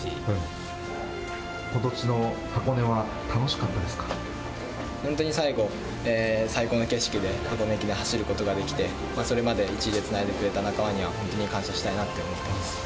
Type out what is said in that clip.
ことしの箱根は、楽しかった本当に最後、最高の景色で箱根駅伝、走ることができて、それまで１位でつないでくれた仲間には、本当に感謝したいなって思ってます。